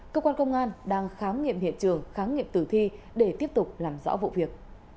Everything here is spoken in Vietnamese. cơ quan công an đang khám nghiệm hiện trường khám nghiệm tử thi để tiếp tục làm rõ vụ việc